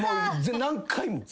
何回も。